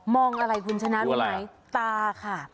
มองอะไรคุณชนะรู้ไหมตาค่ะดูอะไร